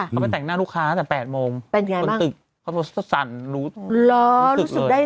เขาไปแต่งหน้าลูกค้าตั้งแต่๘โมงคนตึกเขาก็สะสันรู้สึกเลย